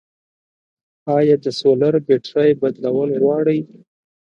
آیا د سولر بیترۍ بدلول غواړي؟